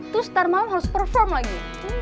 tuh setelah malem harus perform lagi